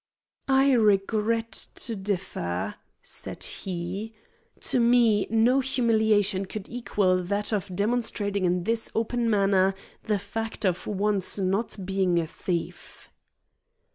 "I regret to differ," said he. "To me no humiliation could equal that of demonstrating in this open manner the fact of one's not being a thief."